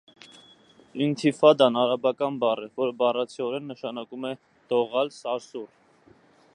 Ինթիֆադան արաբական բառ է, որը բառացիորեն նշանակում է «դողալ», «սարսուռ»։